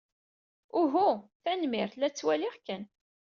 Uhu, tanemmirt. La ttwaliɣ kan.